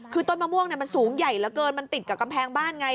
คือต้นมะม่วงมันสูงใหญ่เหลือเกินมันติดกับกำแพงบ้านไง